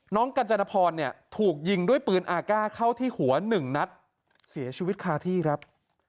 กัญจนพรเนี่ยถูกยิงด้วยปืนอาก้าเข้าที่หัวหนึ่งนัดเสียชีวิตคาที่ครับ